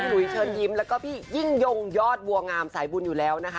พี่หลวยเชินยิ้มพี่ยิ้งยงยอดบัวงามสายบุญอยู่แล้วนะคะ